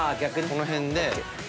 この辺で。